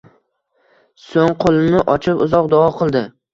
Soʻng qoʻlini ochib uzoq duo qildi